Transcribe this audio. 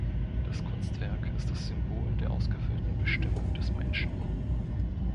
Das Kunstwerk ist das Symbol der ausgefüllten Bestimmung des Menschen.